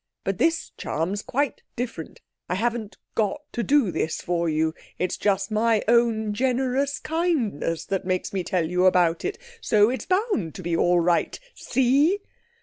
But this charm's quite different. I haven't got to do this for you, it's just my own generous kindness that makes me tell you about it. So it's bound to be all right. See?"